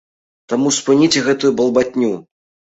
Таму спыніце гэтую балбатню!